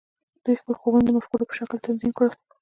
دوی خپل خوبونه د مفکورو په شکل تنظیم کړل